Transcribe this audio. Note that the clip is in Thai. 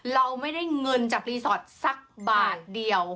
เราไม่ได้เงินจากรีสอร์ทสักบาทเดียว